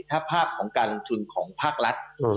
ถ้าภาพของการลงทุนของภาครัฐ